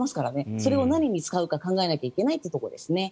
それを何に使うか考えないといけないということですね。